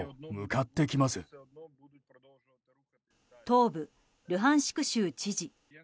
東部、ルハンシク州知事。